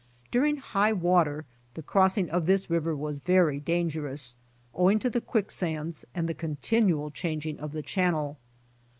During high water the crossing of this river was very dangerous, owing to the quicksands and the continual changing of the channel.